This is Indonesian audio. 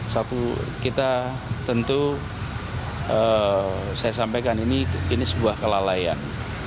satu kita tentu saya sampaikan ini sebuah kelalaian